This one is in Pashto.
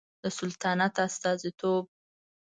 د سلطنت استازیتوب